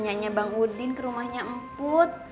memenikannya bang wudin ke rumahnya emput